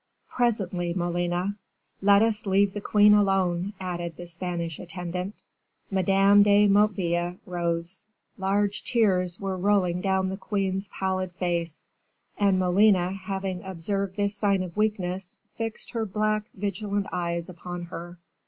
"Presently, Molina." "Let us leave the queen alone," added the Spanish attendant. Madame de Motteville rose; large tears were rolling down the queen's pallid face; and Molina, having observed this sign of weakness, fixed her black vigilant eyes upon her.